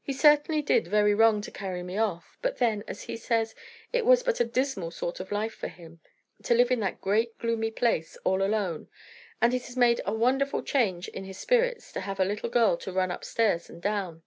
He certainly did very wrong to carry me off; but then, as he says, it was but a dismal sort of life for him, to live in that great gloomy place, all alone; and it has made a wonderful change in his spirits to have a little girl to run up stairs and down.